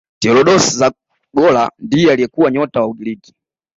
theodoros zagora ndiye aliyekuwa nyota wa ugiriki